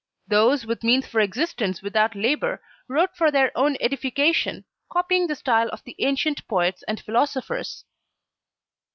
Those with means for existence without labour, wrote for their own edification, copying the style of the ancient poets and philosophers.